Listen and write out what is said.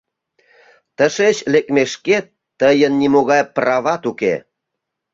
Тышеч лекмешкет, тыйын нимогай прават уке.